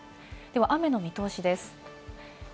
では雨の見通しです。